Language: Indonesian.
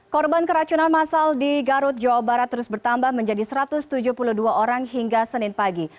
korban keracunan masal di garut jawa barat terus bertambah menjadi satu ratus tujuh puluh dua orang hingga senin pagi